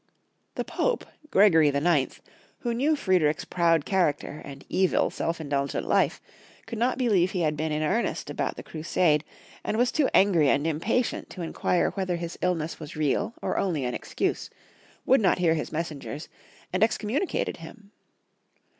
The Pope, Gregory IX., who knew Friedrich's proud character and evil, self indulgent life, could not believe he had been in earnest about the cru sade, and was too angry and impatient to inquire whether his illness was real or only an excuse, would not hear his messengers, and excommuni cated him.